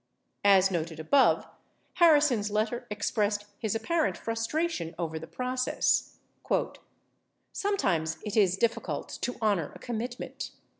As noted above, Harrison's letter expressed his apparent frustration over the process : "Sometimes it is difficult to honor a com mitment."